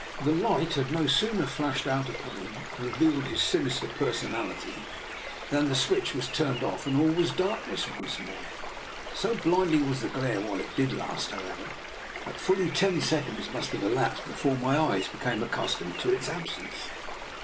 The light had no sooner flashed out upon liim and revealed his sinister personality than the switch was turned off and all was darkness once more. So blinding was the glare while it did last, however, that fully ten seconds must have elapsed before my eyes became accustomed to its absence.